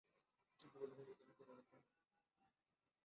নিশ্চয় প্রফেসর হলকে চেনেন আপনি!